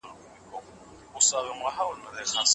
ستاسو ډوډۍ دي د تقوا لرونکی کس پرته بل څوک نه خوري.